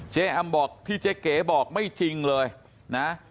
แอมบอกที่เจ๊เก๋บอกไม่จริงเลยนะ